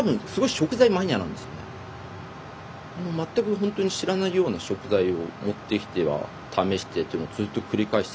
全くホントに知らないような食材を持ってきては試してっていうのをずっと繰り返してたので。